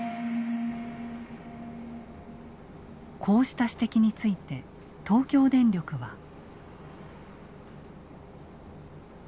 こうした指摘について東京電力は。